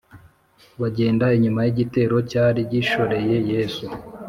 bagenda inyuma y’igitero cyari gishoreye yesu